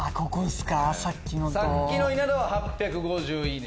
さっきの稲田は８５０いいね。